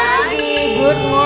aduh aduh aduh